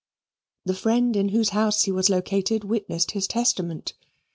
The friend in whose house he was located witnessed his testament.